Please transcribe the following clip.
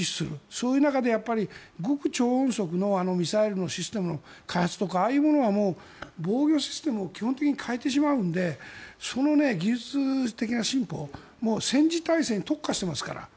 そういう中で極超音速のあのミサイルのシステムの開発とかああいうものが防御システムを基本的に変えてしまうのでその技術的な進歩は戦時体制に特化していますから。